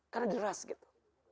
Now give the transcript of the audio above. karena deras gitu